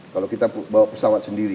kalau kita bawa pesawat sendiri